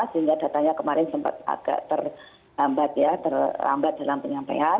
sehingga datanya kemarin sempat agak terlambat ya terlambat dalam penyampaian